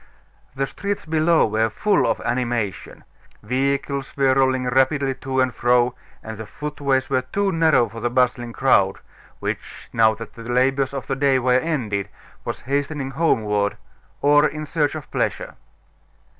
The streets below were full of animation; vehicles were rolling rapidly to and fro, and the footways were too narrow for the bustling crowd, which, now that the labors of the day were ended, was hastening homeward or in search of pleasure.